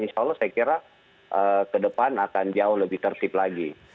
insya allah saya kira ke depan akan jauh lebih tertib lagi